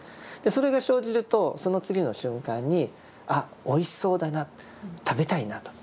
それが生じるとその次の瞬間に「あっおいしそうだな食べたいな」と。